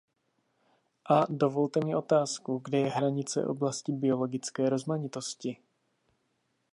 A, dovolte mi otázku, kde je hranice oblasti biologické rozmanitosti?